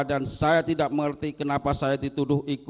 dan saya tidak mengerti kenapa saya dituduh ikut dalam perbincangan